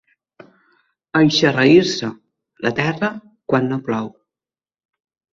Eixarreir-se, la terra, quan no plou.